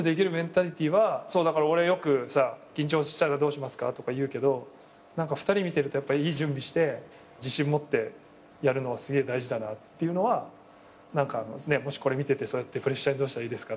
よくさ緊張したらどうしますか？とか言うけど２人見てると準備して自信持ってやるのはすげえ大事だなっていうのはもしこれ見ててそうやってプレッシャーにどうしたらいいですか？